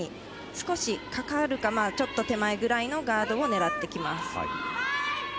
少しかかるかちょっと手前ぐらいのガードを狙ってきます。